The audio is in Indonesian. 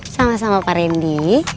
sama sama pak reddy